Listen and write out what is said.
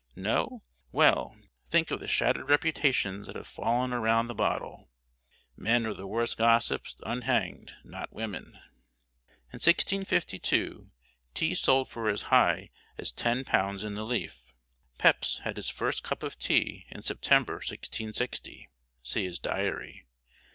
No? Well, think of the shattered reputations that have fallen around the bottle. Men are the worst gossips unhanged, not women. In 1652, tea sold for as high as £10 in the leaf. Pepys had his first cup of tea in September, 1660. (See his Diary.)